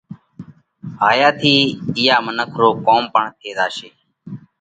هايا ٿِي اِيئا منک رو ڪوم پڻ ٿِي زاشي،